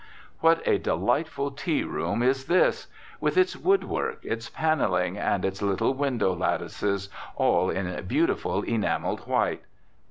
What a delightful tea room is this! With its woodwork, its panelling, and its little window lattices, all in beautiful enamelled white.